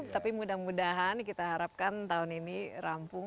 tapi mudah mudahan kita harapkan tahun ini rampung